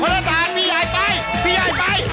คนละทางพี่ยายไปพี่ยายไป